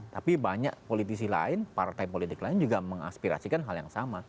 tapi banyak politisi lain partai politik lain juga mengaspirasikan hal yang sama